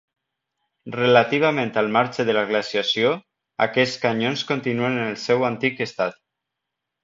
Relativament al marge de la glaciació, aquests canyons continuen en el seu antic estat.